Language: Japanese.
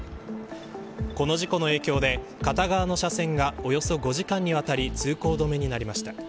この事故の影響で片側の車線がおよそ５時間にわたり通行止めになりました。